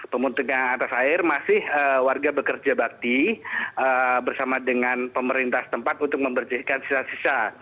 pemutungan atas air masih warga bekerja bakti bersama dengan pemerintah tempat untuk membersihkan sisa sisa